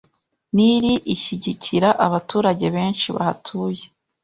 Nili ishyigikira abaturage benshi bahatuye